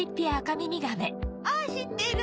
ああ知ってる。